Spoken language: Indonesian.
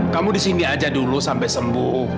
kamu disini aja dulu sampe sembuh